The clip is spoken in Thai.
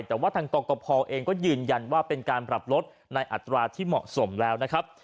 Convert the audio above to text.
แต่ว่าทางกรกภเองก็ยืนยันว่าเป็นการปรับลดในอัตราที่เหมาะสมแล้วนะครับ